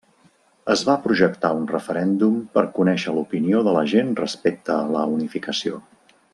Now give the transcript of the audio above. Es va projectar un referèndum per conèixer l'opinió de la gent respecte a la unificació.